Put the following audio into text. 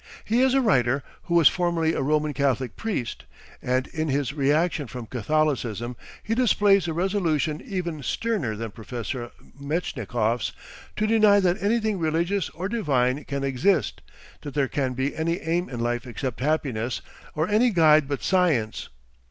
He is a writer who was formerly a Roman Catholic priest, and in his reaction from Catholicism he displays a resolution even sterner than Professor Metchnikoff's, to deny that anything religious or divine can exist, that there can be any aim in life except happiness, or any guide but "science."